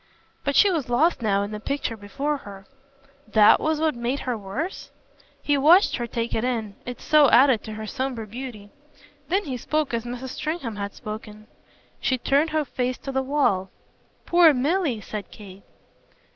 But she was lost now in the picture before her. "THAT was what made her worse?" He watched her take it in it so added to her sombre beauty. Then he spoke as Mrs. Stringham had spoken. "She turned her face to the wall." "Poor Milly!" said Kate.